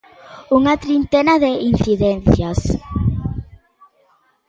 Unha trintena de incidencias.